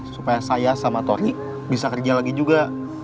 supaya saya sama tori bisa kerja lagi juga